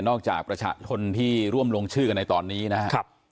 จากประชาชนที่ร่วมลงชื่อกันในตอนนี้นะครับ